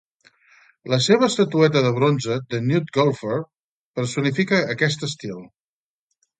La seva estatueta de bronze "The Nude Golfer" personifica aquest estil.